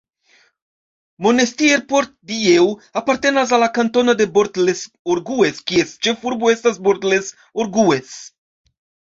Monestier-Port-Dieu apartenas al la kantono de Bort-les-Orgues, kies ĉefurbo estas Bort-les-Orgues.